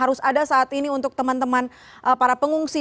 harus ada saat ini untuk teman teman para pengungsi